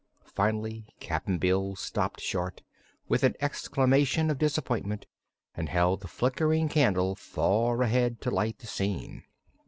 Finally Cap'n Bill stopped short, with an exclamation of disappointment, and held the flickering candle far ahead to light the scene.